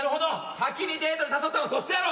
先にデートに誘ったんはそっちやろ！